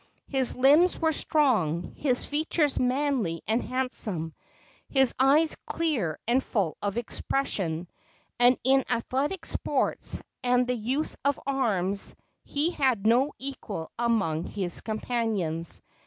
His limbs were strong, his features manly and handsome, his eyes clear and full of expression, and in athletic sports and the use of arms he had no equal among his companions.